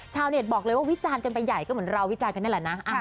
บอกเลยว่าวิจารณ์กันไปใหญ่ก็เหมือนเราวิจารณ์กันนี่แหละนะ